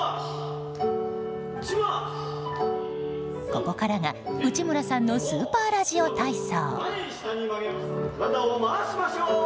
ここからが内村さんのスーパーラジオ体操。